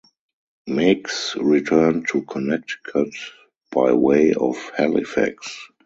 Meigs returned to Connecticut by way of Halifax.